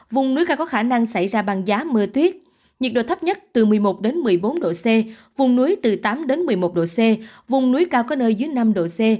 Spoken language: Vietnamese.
vùng núi cao có khả năng xảy ra băng giá mưa tuyết nhiệt độ thấp nhất từ một mươi một một mươi bốn độ c vùng núi từ tám đến một mươi một độ c vùng núi cao có nơi dưới năm độ c